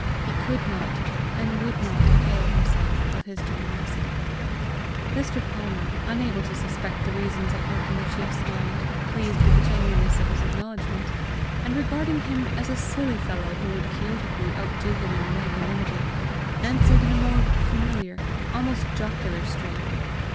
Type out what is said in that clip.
He could not and would not avail himself of his generosity. Mr. Palmer, unable to suspect the reasons at work in the chief's mind, pleased with the genuineness of his acknowledgment, and regarding him as a silly fellow who would quixotically outdo him in magnanimity, answered in a more familiar, almost jocular strain.